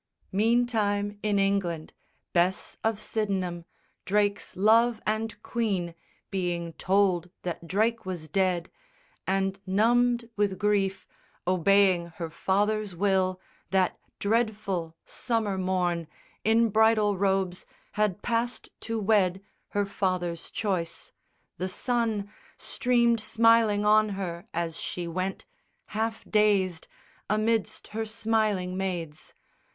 _Meantime, in England, Bess of Sydenham, Drake's love and queen, being told that Drake was dead, And numbed with grief, obeying her father's will That dreadful summer morn in bridal robes Had passed to wed her father's choice. The sun Streamed smiling on her as she went, half dazed, Amidst her smiling maids.